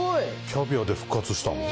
キャビアで復活したの？